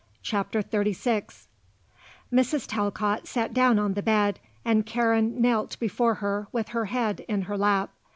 CHAPTER XXXVI Mrs. Talcott sat down on the bed and Karen knelt before her with her head in her lap.